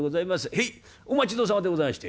へいお待ち遠さまでございまして」。